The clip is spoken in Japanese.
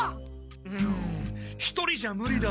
うん一人じゃムリだ。